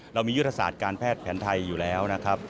เรามียุทธศาสตร์การแพทย์แผนไทยอยู่แล้วนะครับ